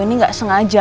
ini gak sengaja